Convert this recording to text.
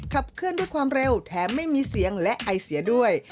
ขับเคลื่อนด้วยความเร็วแถมไม่มีเสียงและไอเสียด้วย